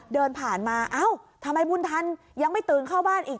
เดินผ่านมาเอ้าทำไมบุญทันยังไม่ตื่นเข้าบ้านอีก